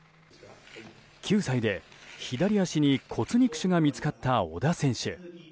９歳で左足に骨肉腫が見つかった小田選手。